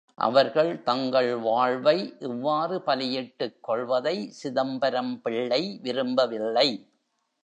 அவர்கள், தங்கள் வாழ்வை இவ்வாறு பலியிட்டுக் கொள்வதை சிதம்பரம் பிள்ளை விரும்பவில்லை.